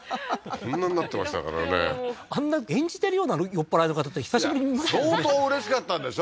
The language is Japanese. こんなんなってましたからねあんな演じてるような酔っ払いの方って久しぶりに見ましたよね相当うれしかったんでしょ